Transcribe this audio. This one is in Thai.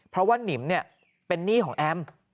เพราะว่านิมเนี่ยเป็นนี่ของแอม